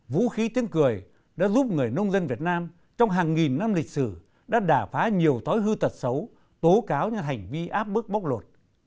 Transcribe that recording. vũ khí tiếng cười đã giúp người nông dân việt nam trong hàng nghìn năm lịch sử đã đà phá nhiều thói hư tật xấu tố cáo những hành vi áp bức bóc lột